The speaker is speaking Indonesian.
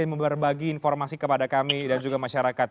dan memberbagi informasi kepada kami dan juga masyarakat